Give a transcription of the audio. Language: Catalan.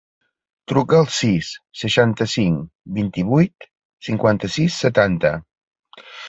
Truca al sis, seixanta-cinc, vint-i-vuit, cinquanta-sis, setanta.